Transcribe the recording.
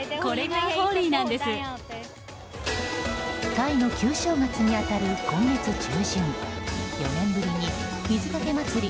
タイの旧正月に当たる今月中旬４年ぶりに水かけ祭り